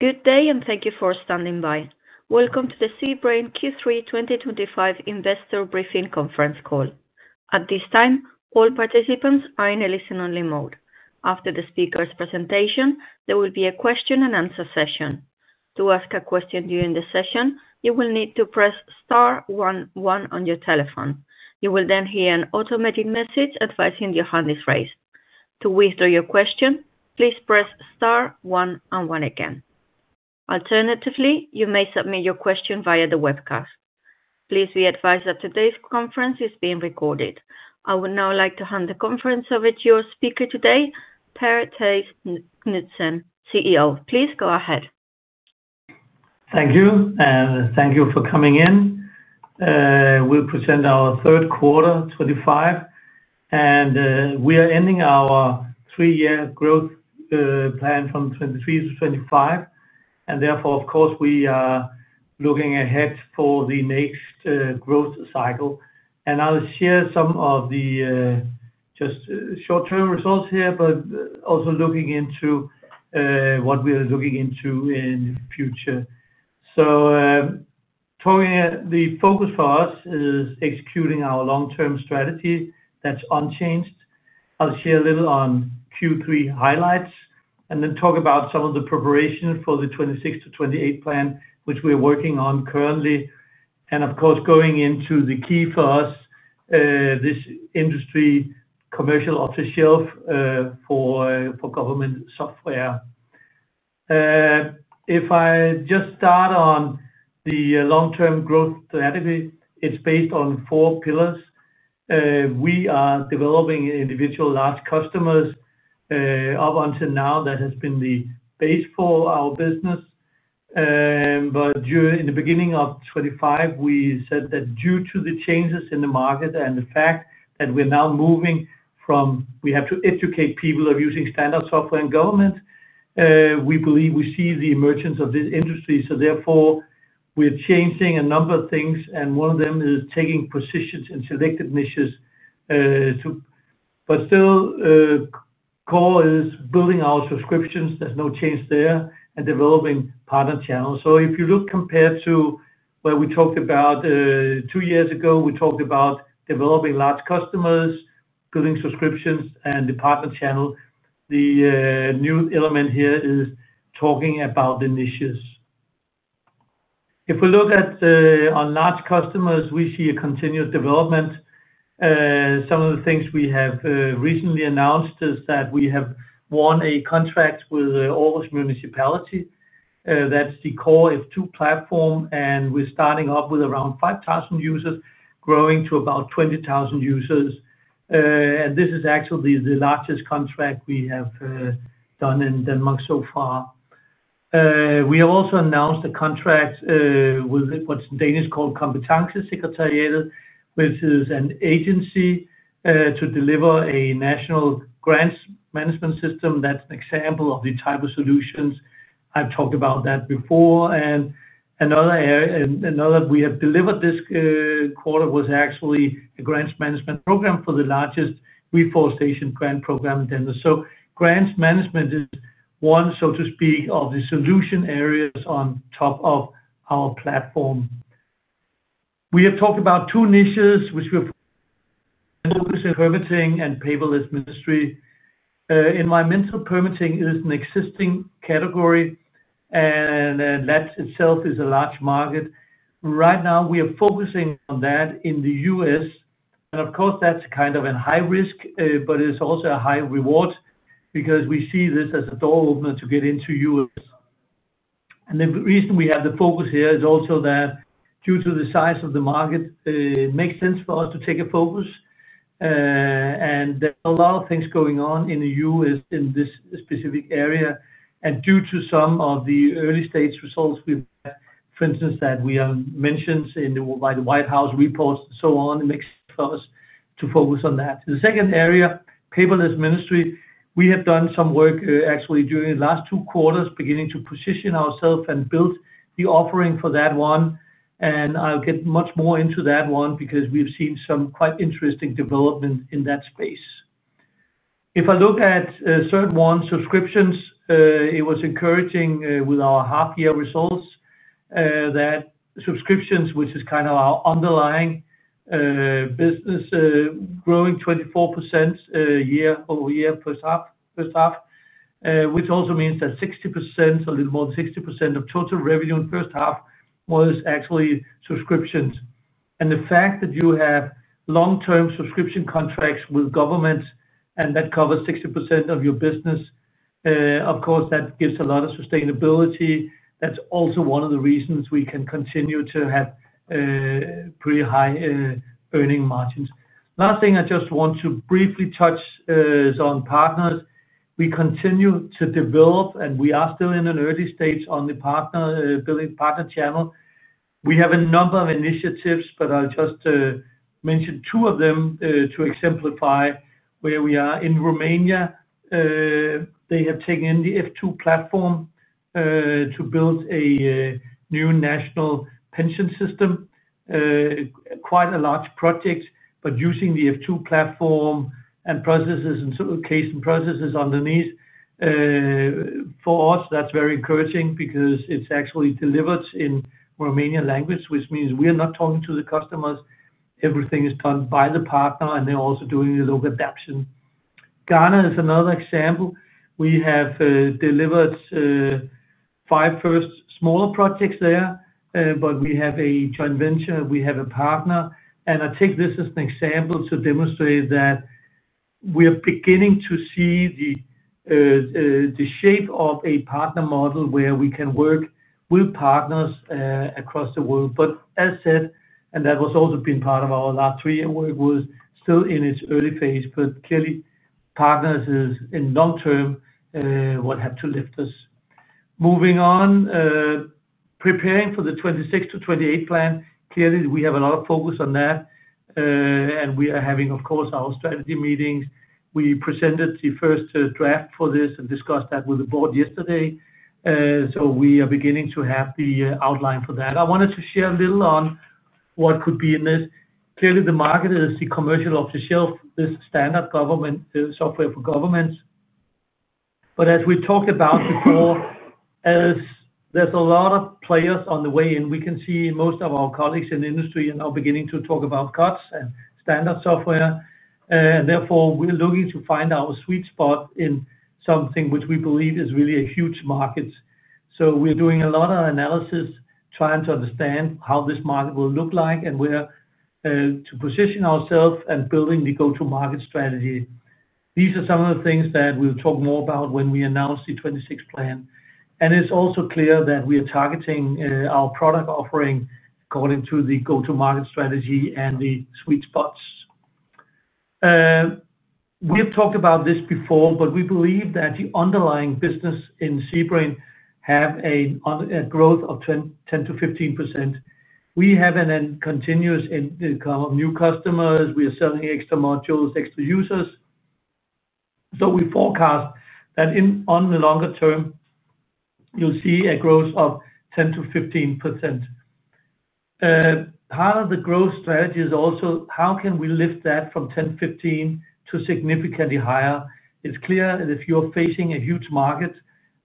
Good day and thank you for standing by. Welcome to the cBrain Q3 2025 investor briefing conference call. At this time all participants are in a listen only mode. After the speaker's presentation, there will be a question and answer session. To ask a question during the session you will need to press star one one on your telephone. You will then hear an automatic message advising your hand is raised. To withdraw your question, please press star one and one again. Alternatively, you may submit your question via the webcast. Please be advised that today's conference is being recorded. I would now like to hand the conference over to your speaker today, Per Tejs Knudsen, CEO. Please go ahead. Thank you and thank you for coming in. We'll present our third quarter 2025 and we are ending our three year growth plan from 2023-2025 and therefore of course we are looking ahead for the next growth cycle. I'll share some of the just short term results here, but also looking into what we are looking into in future. The focus for us is executing our long term strategy that's unchanged. I'll share a little on Q3 highlights and then talk about some of the preparation for the 2026-2028 plan which we're working on currently. Of course going into the key for us, this industry commercial off the shelf for government software. If I just start on the long term growth, it's based on four pillars. We are developing individual large customers. Up until now that has been the base for our business. In the beginning of 2025 we said that due to the changes in the market and the fact that we're now moving from we have to educate people of using standard software in government, we believe we see the emergence of these industries. Therefore, we're changing a number of things and one of them is taking positions in selected niches. Still, core is building our subscriptions. There's no change there. And developing partner channels. If you look compared to where we talked about two years ago, we talked about developing large customers, building subscriptions, and the partner channel. The new element here is talking about initiatives. If we look at our large customers, we see a continuous development. Some of the things we have recently announced is that we have won a contract with Aarhus Municipality. That's the core F2 platform. We're starting off with around 5,000 users, growing to about 20,000 users. This is actually the largest contract we have done in Denmark so far. We have also announced a contract with what's in Danish called Kombitankis Sikataje, which is an agency to deliver a national grants management system. That's an example of the type of solutions. I've talked about that before. Another area we have delivered this quarter was actually a grants management program for the largest reforestation grant program. Grants management is one, so to speak, of the solution areas. On top of our platform we have talked about two niches which we're focusing on: permitting and paperless administrative. Environmental permitting is an existing category and that itself is a large market. Right now we are focusing on that in the U.S. and of course that's kind of a high risk, but it's also a high reward because we see this as a door opener to get into the U.S. The reason we have the focus here is also that due to the size of the market it makes sense for us to take a focus and a lot of things going on in the U.S. in this specific area. Due to some of the early stage results we, for instance that we have mentioned by the White House reports and so on to focus on that, the second area, paperless Ministry, we have done some work actually during the last two quarters beginning to position ourselves and build the offering for that one. I'll get much more into that one because we've seen some quite interesting development in that space. If I look at Cert 1 subscriptions, it was encouraging with our half year results that subscriptions, which is kind of our underlying business, growing 24% year-over-year. First half, which also means that 60%, a little more than 60% of total revenue in first half was actually subscriptions. The fact that you have long term subscription contracts with governments and that covers 60% of your business, of course that gives a lot of sustainability. That's also one of the reasons we can continue to have pretty high earning margins. Last thing I just want to briefly touch is on partners. We continue to develop and we are still in an early stage on the partner billing partner channel. We have a number of initiatives, but I'll just mention two of them to exemplify where we are. In Romania, they have taken in the F2 platform to build a new national pension system. Quite a large project, but using the F2 platform and processes and case and processes underneath. For us, that's very encouraging because it's actually delivered in Romanian language, which means we are not talking to the customers. Everything is done by the partner, and they're also doing the local adaption. Ghana is another example. We have delivered five first smaller projects there, but we have a joint venture, we have a partner, and I take this as an example to demonstrate that we are beginning to see the shape of a partner model where we can work with partners across the world. As said, and that has also been part of our last three-year work, it is still in its early phase, but clearly partners in the long term will have to lift us moving on. Preparing for the 2026-2028 plan, clearly we have a lot of focus on that, and we are having, of course, our strategy meetings. We presented the first draft for this and discussed that with the board yesterday. We are beginning to have the outline for that. I wanted to share a little on what could be in this. Clearly the market is the commercial off-the-shelf, this standard government software for governments. As we talked about before, there are a lot of players on the way, and we can see most of our colleagues in the industry are beginning to talk about cuts and standard software. Therefore we're looking to find our sweet spot in something which we believe is really a huge market. We're doing a lot of analysis trying to understand how this market will look like and where to position ourselves and building the go to market strategy. These are some of the things that we'll talk more about when we announce the 2026 plan. It's also clear that we are targeting our product offering according to the go to market strategy and the sweet spots. We have talked about this before but we believe that the underlying business in cBrain have a growth of 10%-15%. We have a continuous income of new customers. We are selling extra modules, extra users. We forecast that on the longer term you'll see a growth of 10%-15%. Part of the growth strategy is also how can we lift that from 10, 15 to significantly higher. It's clear that if you're facing a huge market,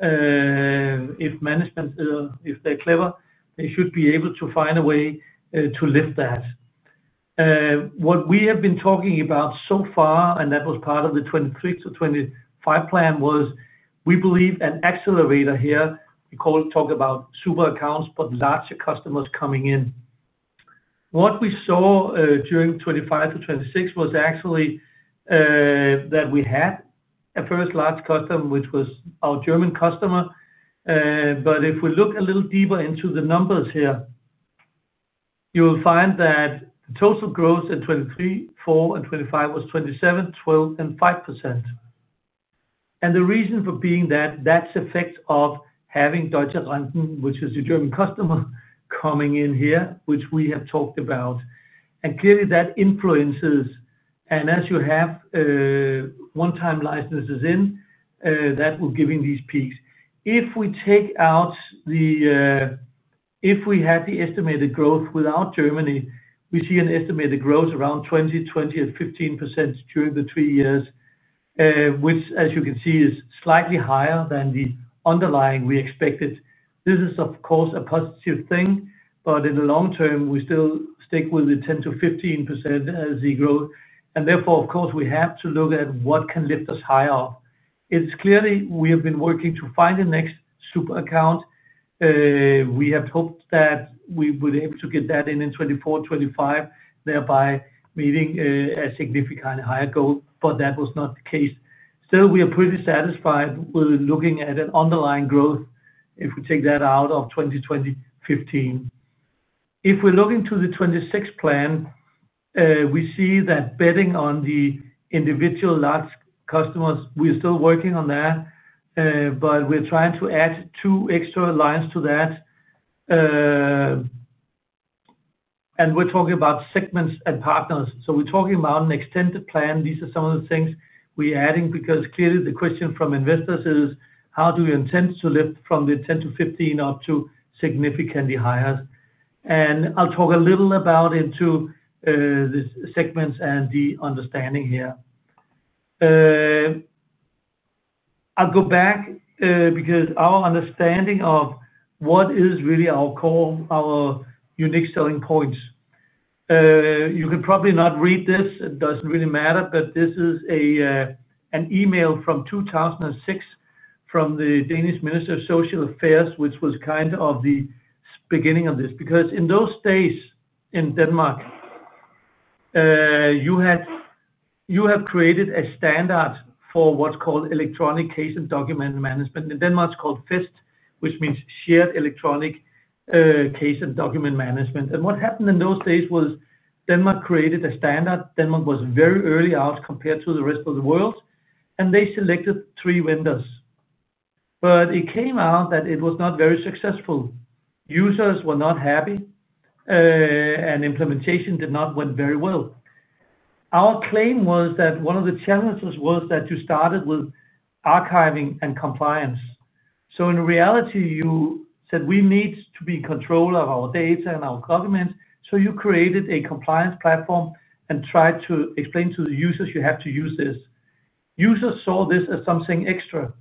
if management, if they're clever, they should be able to find a way to lift that. What we have been talking about so far and that was part of the 2023-2025 plan was we believe an accelerator. Here we talk about super accounts but larger customers coming in. What we saw during 2025-2026 was actually that we had a first large customer which was our German customer. If we look a little deeper into the numbers here you will find that the total growth in 2023, 2024 and 2025 was 27%, 12% and 5%. The reason for being that that's effect of having Germany, which is a German customer, coming in here, which we have talked about, and clearly that influences, and as you have one-time licenses in, that will give in these peaks. If we take out the, if we had the estimated growth without Germany, we see an estimated growth around 2020 and 15% during the three years, which, as you can see, is slightly higher than the underlying we expected. This is of course a positive thing, but in the long term we still stick with the 10%-15% growth, and therefore of course we have to look at what can lift us higher up. It's clearly we have been working to find the next super account. We had hoped that we were able to get that in in 2024-2025, thereby meeting a significantly higher goal, but that was not the case. Still, we are pretty satisfied with looking at an underlying growth. If we take that out of 2020, 2015. If we look into the 2026 plan, we see that betting on the individual large customers, we're still working on that, but we're trying to add two extra lines to that. We are talking about segments and partners. We are talking about an extended plan. These are some of the things we're adding because clearly the question from investors is how do you intend to lift from the 10-15 up to significantly higher? I'll talk a little about into the segments and the understanding here. I'll go back because our understanding of what is really our core, our unique selling points. You can probably not read this, it does not really matter, but this is an email from 2006 from the Danish Minister of Social Affairs, which was kind of the beginning of this. Because in those days in Denmark you have created a standard for what is called Electronic Case and Document Management. In Denmark it is called FIST, which means Shared Electronic Case and Document Management. What happened in those days was Denmark created a standard. Denmark was very early out compared to the rest of the world, and they selected three vendors. It came out that it was not very successful. Users were not happy and implementation did not go very well. Our claim was that one of the challenges was that you started with archiving and compliance. In reality you said we need to be in control of our data and our government. You created a compliance platform and tried to explain to the users, you have to use this. Users saw this as something extra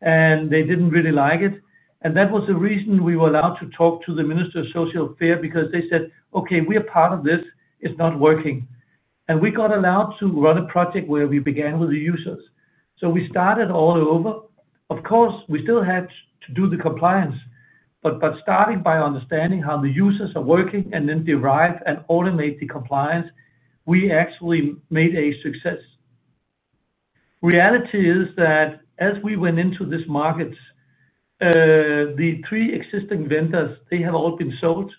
and they did not really like it. That was the reason we were allowed to talk to the Minister of Social Affair because they said, okay, we are part of this, it is not working. We got allowed to run a project where we began with the users. We started all over. Of course we still had to do the compliance. Starting by understanding how the users are working and then derive and automate the compliance, we actually made a success. Reality is that as we went into this market, the three existing vendors, they have all been sold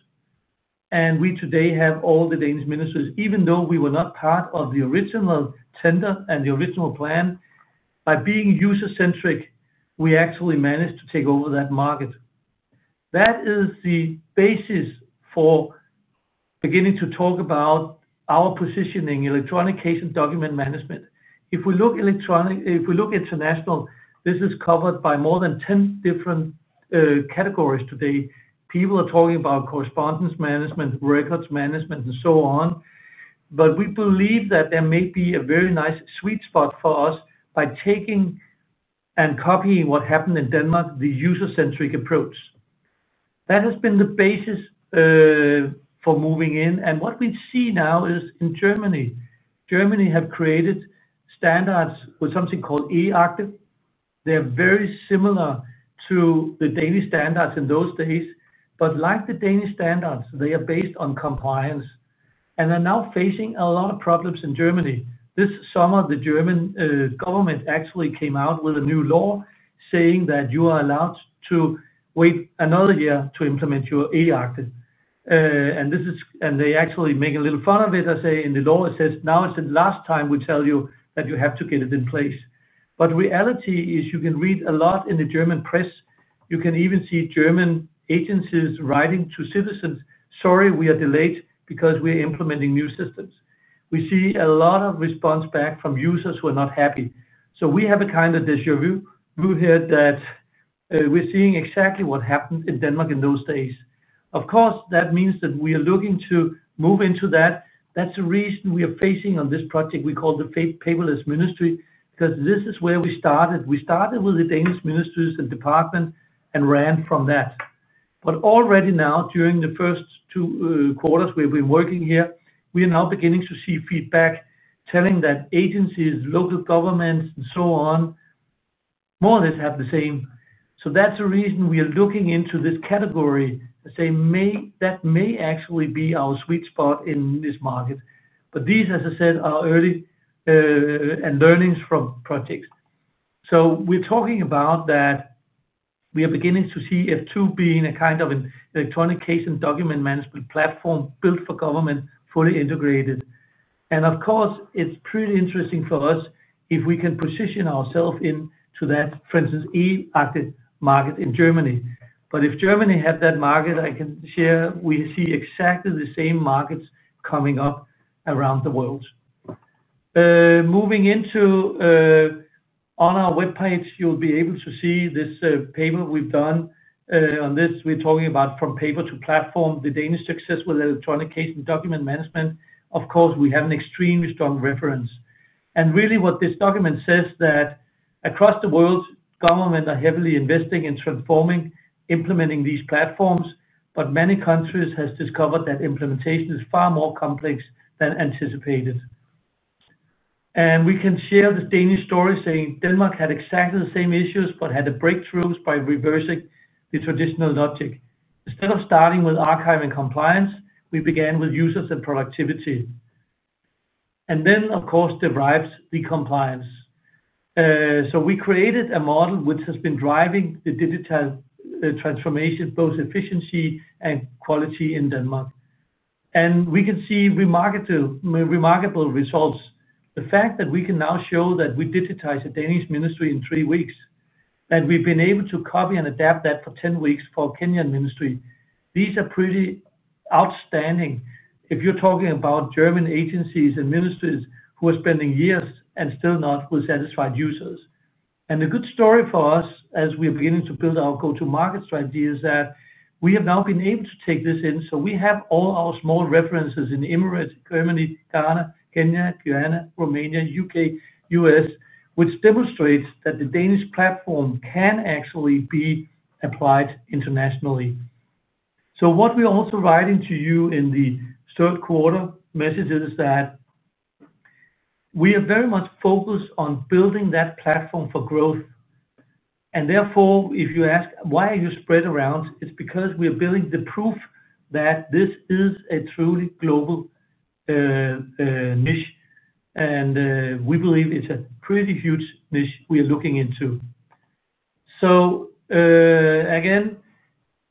and we today have all the Danish ministries. Even though we were not part of the original tender and the original plan, by being user centric, we actually managed to take over that market. That is the basis for beginning to talk about our positioning electronic case and document management. If we look electronic, if we look international, this is covered by more than 10 different categories. Today people are talking about correspondence management, records management and so on. We believe that there may be a very nice sweet spot for us to by taking and copying what happened in Denmark. The user centric approach that has been the basis for moving in and what we see now is in Germany. Germany have created standards with something called E-Akten. They are very similar to the Danish standards in those days. Like the Danish standards, they are based on compliance and they're now facing a lot of problems in Germany. This summer the German government actually came out with a new law saying that you are allowed to wait another year to implement your E-Akten. They actually make a little fun of it. I say in the law, it says now is the last time we tell you that you have to get it in place. Reality is you can read a lot in the German press. You can even see German agencies writing to citizens, sorry, we are delayed. Because we're implementing new systems, we see a lot of response back from users who are not happy. We have a kind of dishevel here that we're seeing exactly what happened in Denmark in those days. Of course that means that we are looking to move into that. That's the reason we are focusing on this project we call the Paperless Ministry, because this is where we started. We started with the Danish ministries and department and ran from that. Already now, during the first two quarters we've been working here, we are beginning to see feedback telling that agencies, local governments and so on more or less have the same. That's the reason we are looking into this category to say that may actually be our sweet spot in this market. These, as I said, are early learnings from projects. We are beginning to see F2 being a kind of an electronic case and document management platform built for government, fully integrated. Of course it's pretty interesting for us if we can position ourselves into that. For instance, the E-Akten market in Germany. If Germany had that market I can share. We see exactly the same markets coming up around the world. Moving into on our web page you'll be able to see this paper we've done on this. We're talking about from paper to platform, the Danish success with electronic case and document management. Of course we have an extremely strong reference and really what this document says is that across the world governments are heavily investing in transforming, implementing these platforms. Many countries have discovered that implementation is far more complex than anticipated. We can share this Danish story saying Denmark had exactly the same issues but had the breakthroughs by reversing the traditional logic. Instead of starting with archiving compliance, we began with users and productivity and then of course derived the compliance. We created a model which has been driving the digital transformation, both efficiency and quality, in Denmark and we can see remarkable results. The fact that we can now show that we digitized the Danish ministry in three weeks and we've been able to copy and adapt that for 10 weeks for Kenyan ministry, these are pretty outstanding if you're talking about German agencies and ministries who are spending years and still not with satisfied users. A good story for us as we are beginning to build our go to market strategy is that we have now been able to take this in. We have all our small references in Emirates, Germany, Ghana, Kenya, Guyana, Romania, U.K., U.S. which demonstrates that the Danish platform can actually be applied internationally. What we are also writing to you in the third quarter messages is that we are very much focused on building that platform for growth. Therefore, if you ask why are you spread around, it's because we are building the proof that this is a truly global niche and we believe it's a pretty huge niche we are looking into. Again,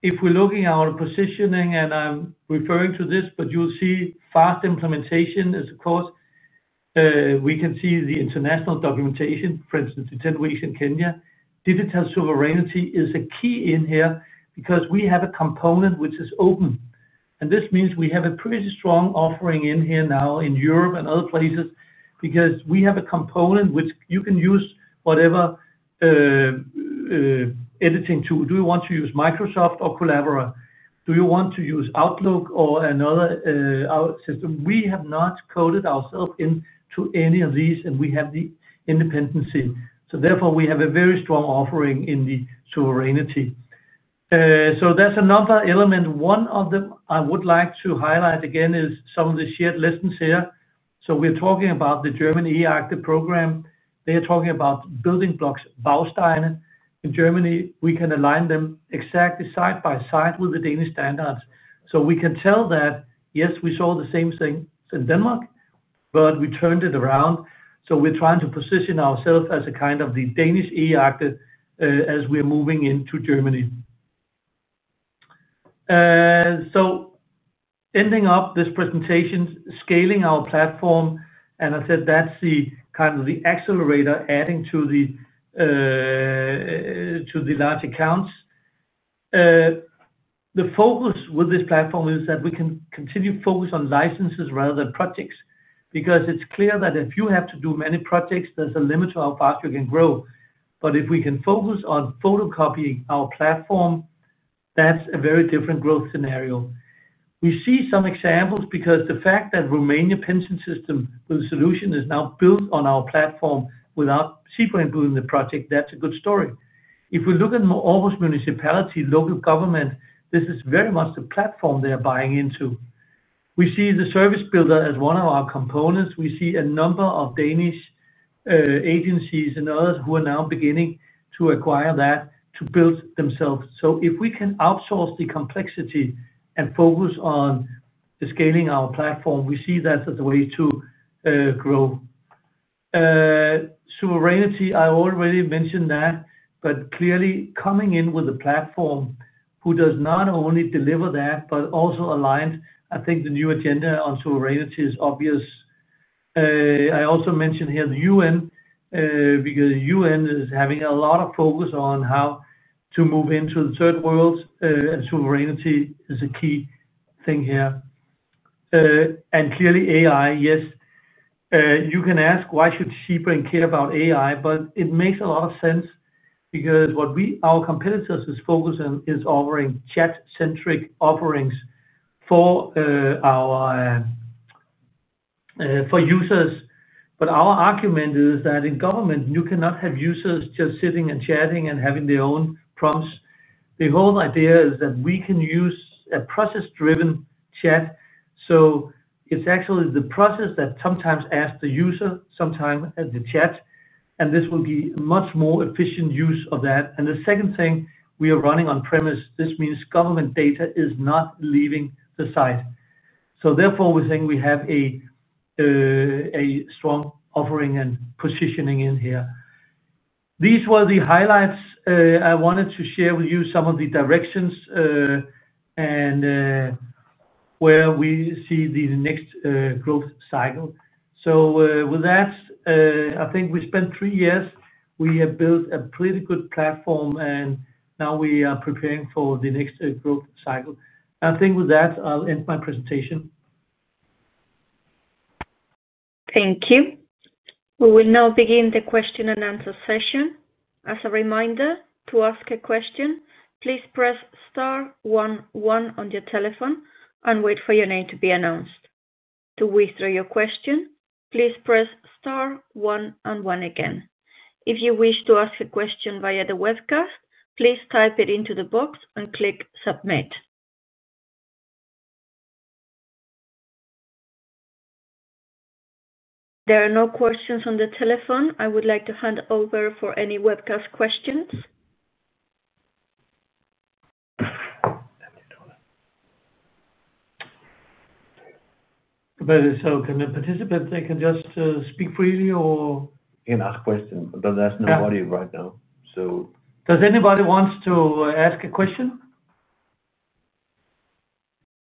if we're looking at our positioning and I'm referring to this, but you'll see fast implementation is of course we can see the international documentation, for instance the 10 weeks in Kenya. Digital sovereignty is a key in here because we have a component which is open and this means we have a pretty strong offering in here now in Europe and other places because we have a component which you can use whatever editing tool you want to use, Microsoft or Collabora, do you want to use Outlook or another system? We have not coded ourselves in to any of these and we have the independency. Therefore we have a very strong offering in the sovereignty. That is another element. One of them I would like to highlight again is some of the shared lessons here. We are talking about the German E-Akten program. They are talking about building blocks in Germany. We can align them exactly side by side with the Danish standards. We can tell that yes, we saw the same thing in Denmark, but we turned it around. We're trying to position ourselves as kind of the Danish eagle as we are moving into Germany. Ending up this presentation, scaling our platform, and I said that's kind of the accelerator adding to the large accounts. The focus with this platform is that we can continue focus on licenses rather than projects because it's clear that if you have to do many projects, there's a limit to how fast you can grow. If we can focus on photocopying our platform, that's a very different growth scenario. We see some examples because the fact that Romania pension system with a solution is now built on our platform without sequent booming the project. That's a good story. If we look at almost municipality, local government, this is very much the platform they are buying into. We see the service builder as one of our components. We see a number of Danish agencies and others who are now beginning to acquire that to build themselves. If we can outsource the complexity and focus on scaling our platform, we see that as a way to grow sovereignty. I already mentioned that. Clearly coming in with a platform who does not only deliver that but also aligns. I think the new agenda on sovereignty is obvious. I also mentioned here the UN, because UN is having a lot of focus on how to move into the third world and sovereignty is a key thing here. Clearly AI. Yes, you can ask why should cBrain care about AI? It makes a lot of sense because what our competitors are focused on is offering chat-centric offerings for users. Our argument is that in government you cannot have users just sitting and chatting and having their own prompts. The whole idea is that we can use a process-driven chat. It is actually the process that sometimes asks the user, sometimes at the chat, and this will be a much more efficient use of that. The second thing, we are running on premise. This means government data is not leaving the site. Therefore, we think we have a strong offering and positioning in here. These were the highlights. I wanted to share with you some of the directions and where we see the next growth cycle. With that I think we spent three years, we have built a pretty good platform and now we are preparing for the next growth cycle. I think with that I'll end my presentation. Thank you. We will now begin the question and answer session. As a reminder, to ask a question please press one one on your telephone and wait for your name to be announced. To withdraw your question, please press star one and one again. If you wish to ask a question via the webcast, please type it into the box and click submit. There are no questions on the telephone. I would like to hand over for any webcast questions. Can the participants, they can just speak freely or you can ask questions, but there's nobody right now. Does anybody want to ask a question?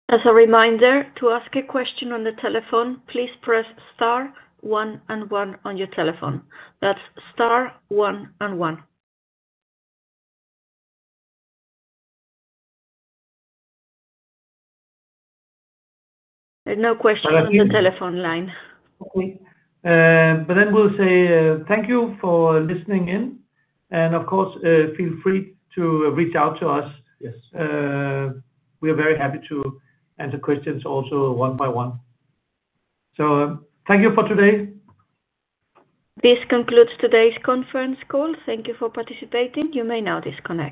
As a reminder to ask a question on the telephone, please press star one and one on your telephone. That's star one and one. No questions on the telephone line. Thank you for listening in and of course feel free to reach out to us. We are very happy to answer questions also one by one. So thank you for today. This concludes today's conference call. Thank you for participating. You may now disconnect.